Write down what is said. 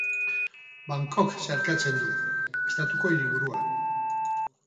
Bangkok zeharkatzen du, estatuko hiriburua.